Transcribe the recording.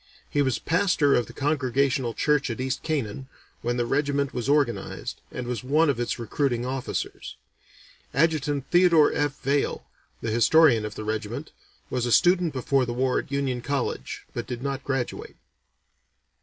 He was pastor of the Congregational church at East Canaan when the regiment was organized, and was one of its recruiting officers. Adjutant Theodore F. Vaill, the historian of the regiment, was a student before the war at Union College, but did not graduate.